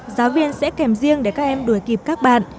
giáo viên sẽ kèm riêng để các em đuổi kịp các bạn